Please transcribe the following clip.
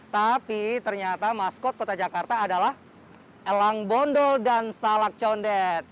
tapi ternyata maskot kota jakarta adalah elang bondol dan salak condet